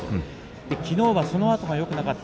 きのうはそのあとがよくなかった。